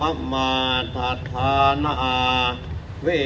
อธินาธาเวระมะนิสิขาปะทังสมาธิยามี